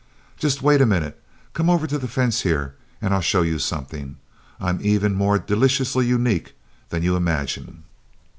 Just wait a minute come over to the fence here and I'll show you something. I'm even more deliciously unique than you imagine."